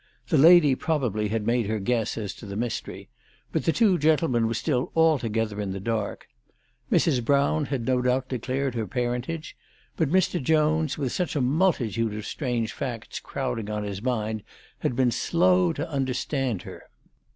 The lady probably had made her guess as to the mystery ; but the two gentlemen were still altogether in the dark. Mrs. Brown had no doubt declared her parentage, but Mr. Jones, with such a multitude of strange facts crowding on his mind, had been slow to understand her.